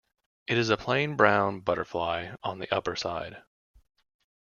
It is a plain brown butterfly on the upperside.